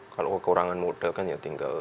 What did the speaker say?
kalau kekurangan modal kan ya tinggal